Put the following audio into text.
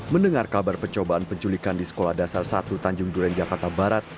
mendengar kabar percobaan penculikan di sekolah dasar satu tanjung duren jakarta barat